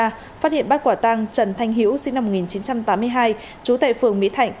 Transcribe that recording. phát hiện bắt quả tăng trần thanh hữu sinh năm một nghìn chín trăm tám mươi hai trú tại phường mỹ thạnh